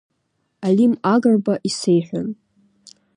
Алим Агрба исеиҳәон…